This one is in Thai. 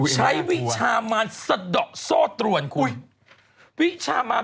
ใช้วิชามานสดสวนคุณ